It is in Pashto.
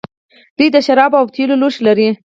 دوی د شرابو او تیلو لوښي لرل